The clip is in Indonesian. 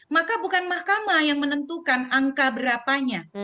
maka bukan mahkamah yang menentukan angka berapanya